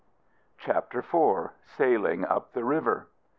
CHAPTER IV. SAILING UP THE RIVER.